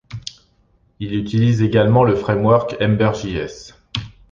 Il utilise également le framework Ember.js.